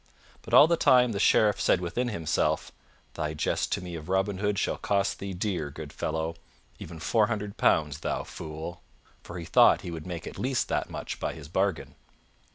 But all the time the Sheriff said within himself, "Thy jest to me of Robin Hood shall cost thee dear, good fellow, even four hundred pounds, thou fool." For he thought he would make at least that much by his bargain.